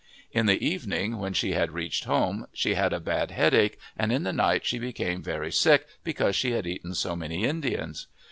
In the evening, when she had reached home, she had a bad headache and in the night she became very sick because she had eaten so many Indians.